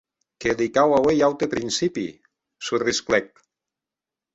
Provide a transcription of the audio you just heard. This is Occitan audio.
Que li cau auer un aute principi!, sorrisclèc.